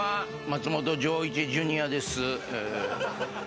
松本譲一ジュニアです。